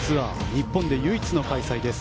日本で唯一の開催です。